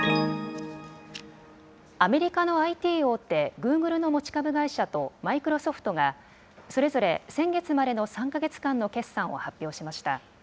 アメリカのＩＴ大手、グーグルの持ち株会社とマイクロソフトが、それぞれ、先月までの３か月間の決算を発表しました。